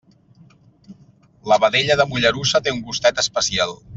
La vedella de Mollerussa té un gustet especial.